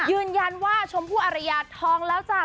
ยืนยันว่าชมพู่อารยาทองแล้วจ้ะ